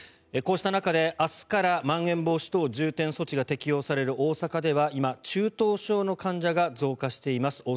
こうした中で明日からまん延防止等重点措置が適用される大阪では今、中等症の患者が増加しています。